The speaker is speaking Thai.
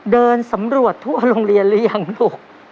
เดินสำรวจทั่วโรงเรียนหรือยังลูก